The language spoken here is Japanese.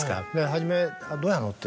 初め「どうやんの？」って。